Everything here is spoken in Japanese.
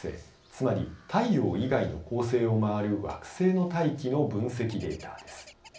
つまり太陽以外の恒星を回る惑星の大気の分析データです。